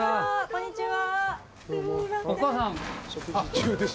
こんにちは。